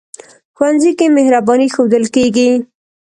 ښوونځی کې مهرباني ښودل کېږي